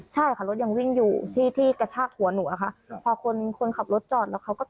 ใช่ค่ะรถยังวิ่งอยู่ที่ที่กระชากหัวหนูอะค่ะพอคนคนขับรถจอดแล้วเขาก็